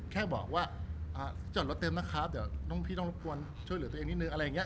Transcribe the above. แค่บอกว่าจอดรถเต็มนะครับเดี๋ยวน้องพี่ต้องรบกวนช่วยเหลือตัวเองนิดนึงอะไรอย่างนี้